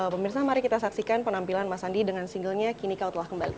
pemirsa mari kita saksikan penampilan mas andi dengan singlenya kini kau telah kembali